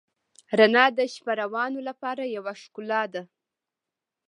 رڼا د شپهروانو لپاره یوه ښکلا ده.